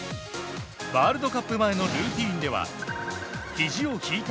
ワールドカップ前のルーティンではひじを引いた